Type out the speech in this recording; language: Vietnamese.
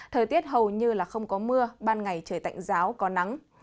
thời tiết hầu như không có mưa ban ngày trời tạnh giáo có nắng